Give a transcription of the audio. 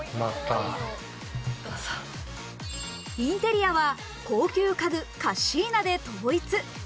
インテリアは高級家具・カッシーナで統一。